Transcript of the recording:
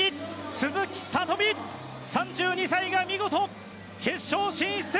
鈴木聡美、３２歳が見事、決勝進出！